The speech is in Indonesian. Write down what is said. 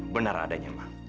benar adanya mama